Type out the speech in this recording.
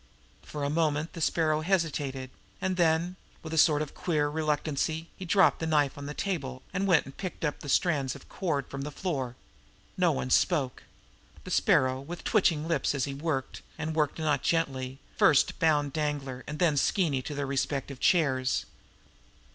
For a moment the Sparrow hesitated; and then, with a sort of queer reluctancy, he dropped the knife on the table, and went and picked up the strands of cord from the floor. No one spoke. The Sparrow, with twitching lips as he worked, and worked not gently, bound first Danglar and then Skeeny to their respective chairs.